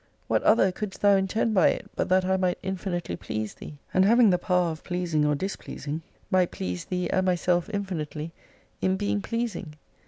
What other couldst Thou intend by it but that I might infinitely please Thee ? And having the power of pleasing or displeasing, might please Thee and my self infinitely, in being pleasing